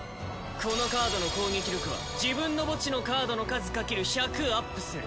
このカードの攻撃力は自分の墓地のカードの数かける１００アップする。